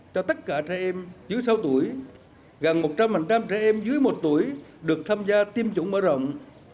cho tất cả trẻ em dưới sáu tuổi gần một trăm linh trẻ em dưới một tuổi được tham gia tiêm chủng mở rộng